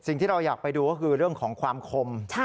สิ่งที่เราอยากไปดูก็คือเรื่องของความคม